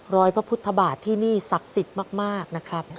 พระพุทธบาทที่นี่ศักดิ์สิทธิ์มากนะครับ